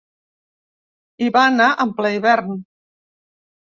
Hi van anar en ple hivern.